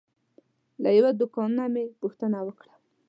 له یوه دوکاندار نه مې پوښتنه وکړه.